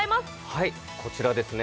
はいこちらですね